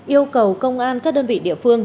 yêu cầu công an các đơn vị địa phương